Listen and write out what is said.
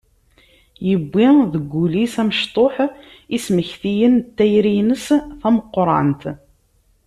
Yewwi deg wul-is amecṭuḥ ismektiyen n tayri-ines tameqqrant.